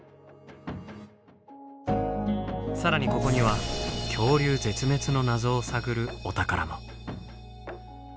更にここには「恐竜絶滅の謎」を探るお宝も。